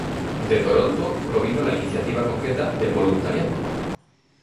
De Toronto provino la iniciativa concreta del voluntariado.